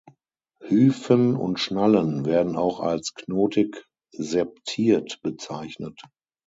Hyphen mit Schnallen werden auch als knotig septiert bezeichnet.